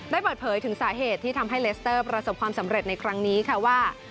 เปิดเผยถึงสาเหตุที่ทำให้เลสเตอร์ประสบความสำเร็จในครั้งนี้ค่ะว่า